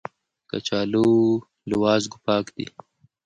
کچالو له وازګو پاک دي